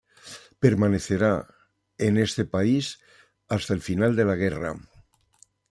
Permanecerá en este país hasta el final de la guerra.